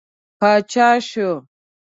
پاچا شو.